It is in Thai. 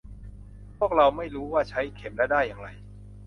พวกเราไม่รู้ว่าใช้เข็มและด้ายอย่างไร